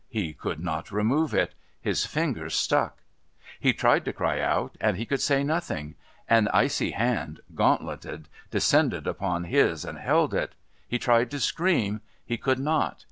He could not remove it. His fingers stuck. He tried to cry out, and he could say nothing. An icy hand, gauntleted, descended upon his and held it. He tried to scream. He could not.